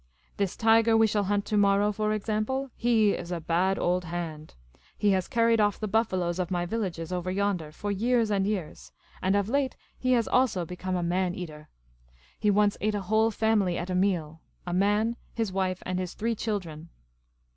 This tiger we shall hunt to morrow, for example, he is a bad old hand. He has carried off the buffaloes of my villagers over yonder for years and years, and of late he has also become a man > D i , b ■J o Ed O CI 250 Miss Cayley's Adventures eater. He once ate a whole family at a meal — a man, his wife, and his three children.